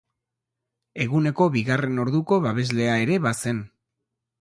Eguneko bigarren orduko babeslea ere bazen.